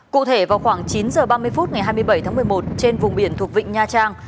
cụ thể vào khoảng chín h ba mươi phút ngày hai mươi bảy tháng một mươi một trên vùng biển thuộc vịnh nha trang